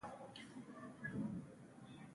اونی کوتل کوم ولایتونه سره نښلوي؟